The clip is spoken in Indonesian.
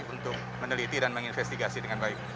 untuk meneliti dan menginvestigasi dengan baik